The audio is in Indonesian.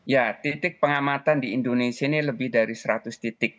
ya titik pengamatan di indonesia ini lebih dari seratus titik